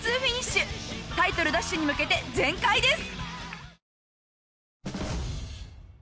タイトル奪取に向けて全開です。